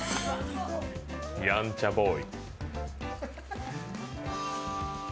やんちゃボーイ。